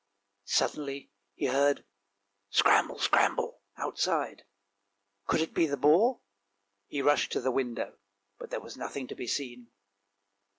Suddenly he heard "scramble, scramble," outside, could it be the boar? He rushed to the window, but there was nothing to be seen.